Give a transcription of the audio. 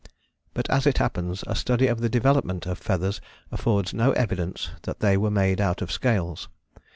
But as it happens, a study of the development of feathers affords no evidence that they were made out of scales.